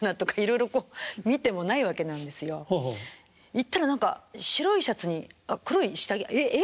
行ったら何か白いシャツに黒い下着え？ええ？